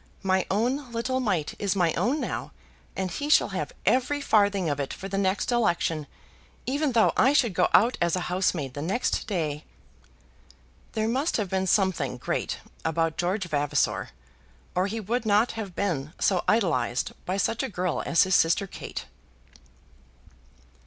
My own little mite is my own now, and he shall have every farthing of it for the next election, even though I should go out as a housemaid the next day." There must have been something great about George Vavasor, or he would not have been so idolized by such a girl as his sister Kate.